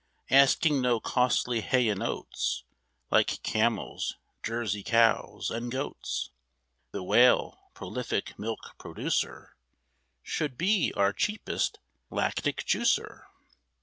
Asking no costly hay and oats, Like camels, Jersey cows, and goats, The Whale, prolific milk producer, Should be our cheapest lactic juicer.